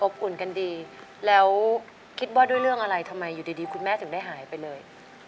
อุ่นกันดีแล้วคิดว่าด้วยเรื่องอะไรทำไมอยู่ดีคุณแม่ถึงได้หายไปเลย